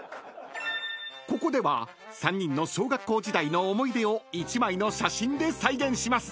［ここでは３人の小学校時代の思い出を１枚の写真で再現します］